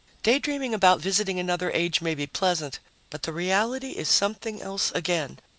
Daydreaming about visiting another age may be pleasant, but the reality is something else again.